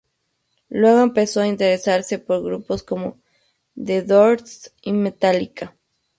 Luego empezó a interesarse por grupos como The Doors y Metallica.